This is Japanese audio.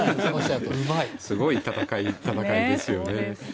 すごい戦いですよね。